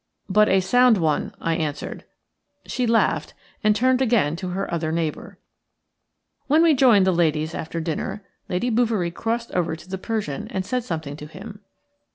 "But a sound one," I answered. She laughed, and turned again to her other neighbour. When we joined the ladies after dinner Lady Bouverie crossed over to the Persian and said something to him.